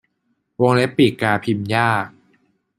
วงเล็บปีกกาพิมพ์ยาก